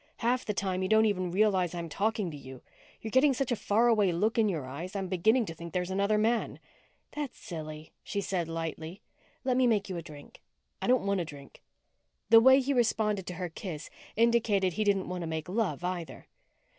Half the time you don't even realize I'm talking to you. You're getting such a faraway look in your eyes I'm beginning to think there's another man." "That's silly," she said lightly. "Let me make you a drink." "I don't want a drink." The way he responded to her kiss indicated he didn't want to make love, either.